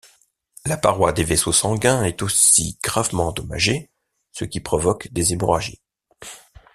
La paroi des vaisseaux sanguins est aussi gravement endommagée, ce qui provoque des hémorragies.